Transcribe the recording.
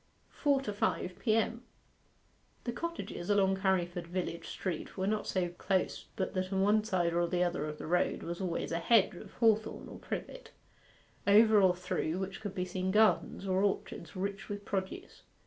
FOUR TO FIVE P.M. The cottages along Carriford village street were not so close but that on one side or other of the road was always a hedge of hawthorn or privet, over or through which could be seen gardens or orchards rich with produce.